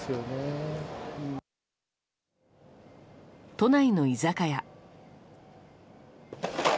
都内の居酒屋。